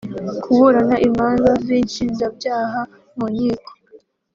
kuburana imanza z’inshinjabyaha mu nkiko